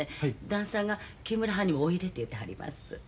旦さんが木村はんにもおいでって言うてはります。